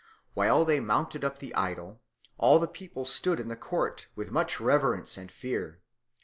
"While they mounted up the idol all the people stood in the court with much reverence and fear.